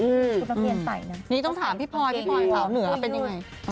ชุดนักเรียนใส่นะนี่ต้องถามพี่พลอยพี่พลอยสาวเหนือเป็นยังไง